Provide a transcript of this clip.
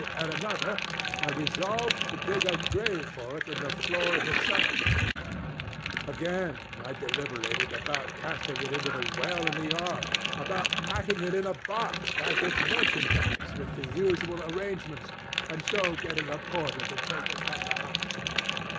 At another, I resolved to dig a grave for it in the floor of the cellar. Again, I deliberated about casting it in the well in the yardŌĆöabout packing it in a box, as if merchandise, with the usual arrangements, and so getting a porter to take it from the house.